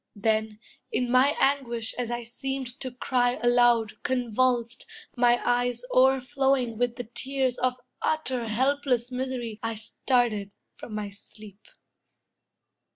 Then, in my anguish as I seemed to cry Aloud, convulsed, my eyes o'erflowing with The tears of utter, helpless misery, I started from my sleep.